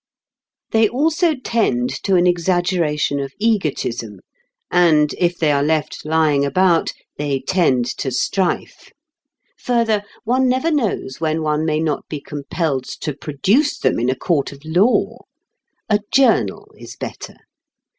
They also tend to an exaggeration of egotism, and if they are left lying about they tend to strife. Further, one never knows when one may not be compelled to produce them in a court of law. A journal is better.